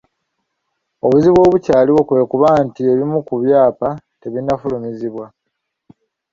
Obuzibu obukyaliwo kwe kuba nti ebimu ku byapa tebinnafulumizibwa.